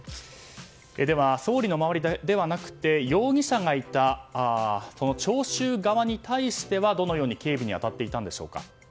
では総理の周りではなくて容疑者がいた聴衆側に対しては、どのように警備に当たっていたんでしょうか。